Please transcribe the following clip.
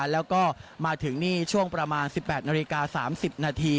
แล้วก็มาถึงนี่ช่วงประมาณ๑๘น๓๐น